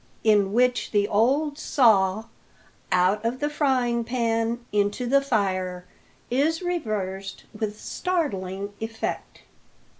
IN WHICH THE OLD SAW, "OUT OF THE FRYING PAN, INTO THE FIRE," IS REVERSED WITH STARTLING EFFECT.